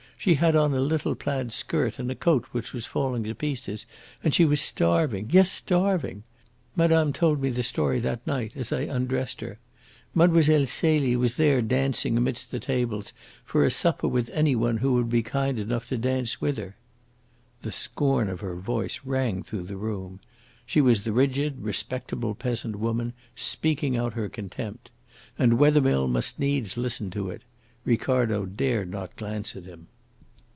She had on a little plaid skirt and a coat which was falling to pieces, and she was starving yes, starving. Madame told me the story that night as I undressed her. Mlle. Celie was there dancing amidst the tables for a supper with any one who would be kind enough to dance with her." The scorn of her voice rang through the room. She was the rigid, respectable peasant woman, speaking out her contempt. And Wethermill must needs listen to it. Ricardo dared not glance at him.